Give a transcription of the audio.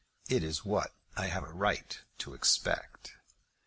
"It is what I have a right to expect."